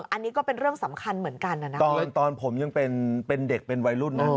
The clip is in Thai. อันนี้ก็เป็นเรื่องสำคัญเหมือนกันนะตอนผมยังเป็นเด็กเป็นวัยรุ่นนะ